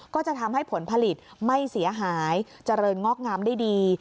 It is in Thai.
ก็จะทำให้ผลผลิตไม่เสียหายเจริญงอกงามได้ดี